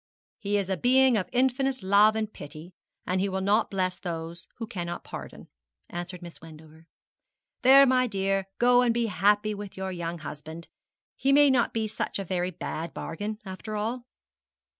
'He is a Being of infinite love and pity, and He will not bless those who cannot pardon,' answered Miss Wendover. 'There, my dear, go and be happy with your young husband. He may not be such a very bad bargain, after all.'